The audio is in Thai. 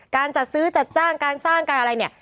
การจัดซื้อจัดจ้างการสร้างการอะไรเนี่ย